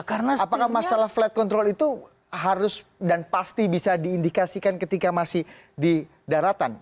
apakah masalah flight control itu harus dan pasti bisa diindikasikan ketika masih di daratan